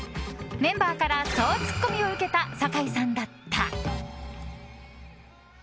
メンバーから総ツッコミを受けた酒井さんだった。